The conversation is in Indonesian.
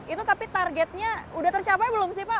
itu tapi targetnya sudah tercapai belum sih pak